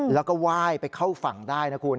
แล้วก็ไหว้ไปเข้าฝั่งได้นะคุณ